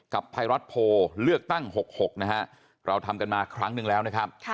ไทยรัฐโพลเลือกตั้ง๖๖นะฮะเราทำกันมาครั้งหนึ่งแล้วนะครับ